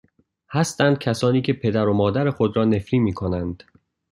هستند کسانی که پدر و مادر خود را نفرین میکنند